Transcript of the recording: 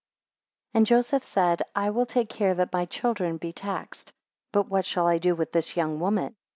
2 And Joseph said, I will take care that my children be taxed; but what shall I do with this young woman?